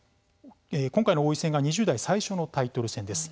今回の王位戦が２０代最初のタイトル戦です。